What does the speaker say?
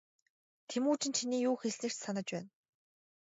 Тэмүжин чиний юу хэлснийг ч санаж байна.